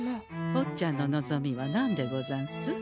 ぼっちゃんの望みは何でござんす？